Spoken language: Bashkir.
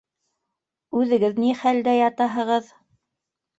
Үҙегеҙ ни хәлдә ятаһығыҙ?